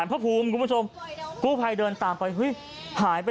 นึกว่ามาให้หวยก่อนวันหวยออกฟังแล้วก็พอเดินออกซะว่าเธอก็อาการ